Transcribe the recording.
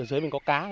dưới mình có cá